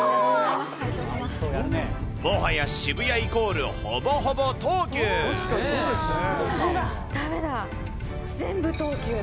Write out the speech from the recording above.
もはや渋谷イコールほぼほぼ東急。だめだ。